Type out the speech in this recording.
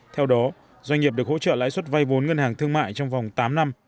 theo đó doanh nghiệp được hỗ trợ lãi suất vay vốn ngân hàng thương mại trong vòng tám năm